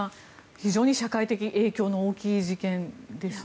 非常に社会的影響の大きい事件ですね。